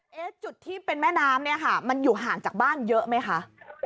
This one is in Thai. จุดที่เป็นแม่น้ำเนี่ยค่ะมันอยู่ห่างจากบ้านเยอะไหมคะ